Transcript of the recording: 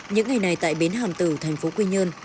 những ngày này tại bến hàm tử thành phố quy nhơn